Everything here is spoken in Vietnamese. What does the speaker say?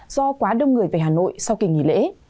do quá đông người về hà nội sau kỳ nghỉ lễ